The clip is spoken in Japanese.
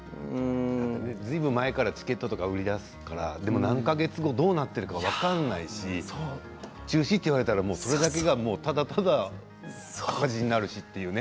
ずいぶん前からチケットとか売り出すからでも何か月後どうなっているか分からないし中止と言われたらそれだけが、ただただ赤字になるしというね。